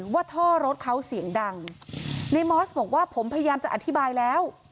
ว่าท่อรถเขาเสียงดังในมอสบอกว่าผมพยายามจะอธิบายแล้ว